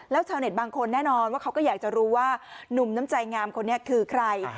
แล้วชาวเน็ตบางคนแน่นอนว่าเขาก็อยากจะรู้ว่านุ่มน้ำใจงามคนนี้คือใคร